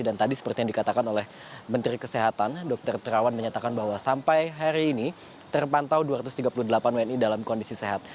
dan tadi seperti yang dikatakan oleh menteri kesehatan dr terawan menyatakan bahwa sampai hari ini terpantau dua ratus tiga puluh delapan wni dalam kondisi sehat